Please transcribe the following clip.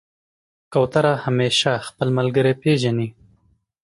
کوتره همیشه خپل ملګری پېژني.